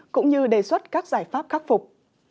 cũng như đề xuất các giải pháp khắc phục